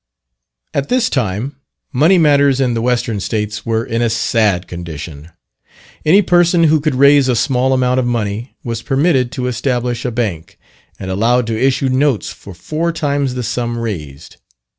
At this time, money matters in the Western States were in a sad condition. Any person who could raise a small amount of money was permitted to establish a bank, and allowed to issue notes for four times the sum raised.